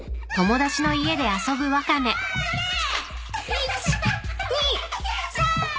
１２３！